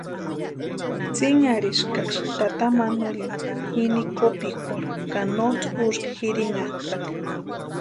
Tsinhariskaksï tata manuelini jini kopikwarhu ka nosï úska jirinantʼani.